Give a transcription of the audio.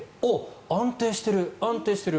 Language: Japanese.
安定してる、安定してる。